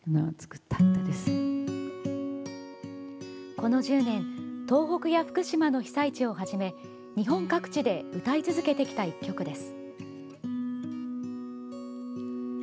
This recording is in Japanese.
この１０年東北や福島の被災地をはじめ日本各地で歌い続けてきた１曲です。